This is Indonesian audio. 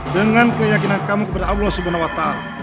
dengan keyakinan kamu kepada allah swt